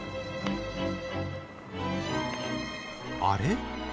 あれ？